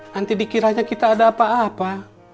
nanti dikiranya kita ada apa apa